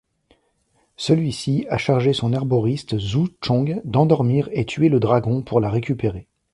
Celui-ci a chargé son herboriste Zhou-Chong d'endormir et tuer le dragon pour la récupérer.